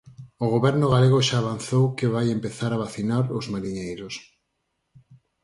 O Goberno galego xa avanzou que vai empezar a vacinar os mariñeiros.